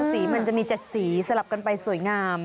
สีมันจะมี๗สีสลับกันไปสวยงาม